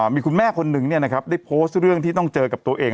มีคุณแม่คนหนึ่งได้โพสต์เรื่องที่ต้องเจอกับตัวเอง